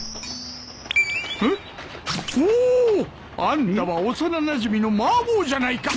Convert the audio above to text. あんたは幼なじみのマー坊じゃないか。